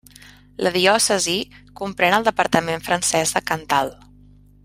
La diòcesi comprèn el departament francès de Cantal.